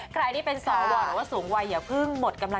ไปต่อที่สอวรสอวรสูงวัยสูงวัยนะคะ